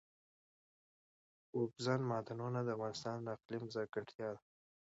اوبزین معدنونه د افغانستان د اقلیم ځانګړتیا ده.